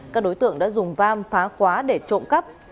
các đối tượng đã dùng vam phá khóa để trộm cắp